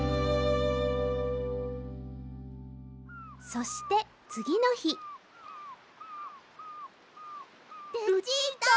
そしてつぎのひルチータ